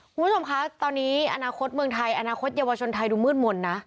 คุณผู้ชมคะตอนนี้อนาคตเมืองไทยอนาคตเยาวชนไทยดูมืดมนต์นะ